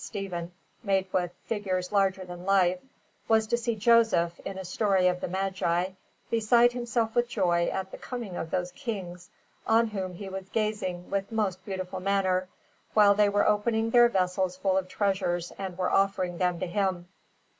Stephen made with figures larger than life, was to see Joseph, in a story of the Magi, beside himself with joy at the coming of those Kings, on whom he was gazing with most beautiful manner, while they were opening their vessels full of treasures and were offering them to him.